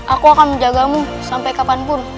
aku akan menjagamu sampai kapanpun